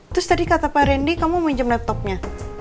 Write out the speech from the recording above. terus tadi kata pak randy kamu minjem laptopnya